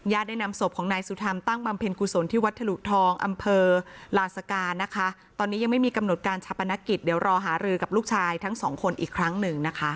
ได้นำศพของนายสุธรรมตั้งบำเพ็ญกุศลที่วัดถลุทองอำเภอลาสการนะคะตอนนี้ยังไม่มีกำหนดการชาปนกิจเดี๋ยวรอหารือกับลูกชายทั้งสองคนอีกครั้งหนึ่งนะคะ